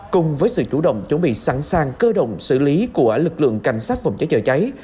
cùng với sự chủ động chuẩn bị sẵn sàng cơ động xử lý của lực lượng cảnh sát phòng cháy chữa cháy